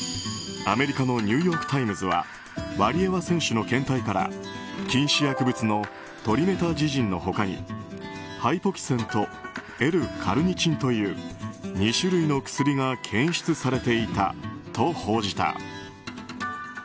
アメリカのニューヨーク・タイムズはワリエワ選手の検体から禁止薬物のトリメタジジンの他にハイポキセンとＬ‐カルニチンという２種類の薬が検出されていたと報じた。